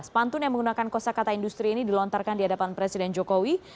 pantun yang menggunakan kosa kata industri ini dilontarkan di hadapan presiden jokowi